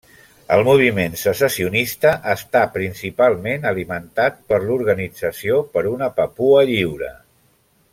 El moviment secessionista està principalment alimentat per l'Organització per una Papua Lliure.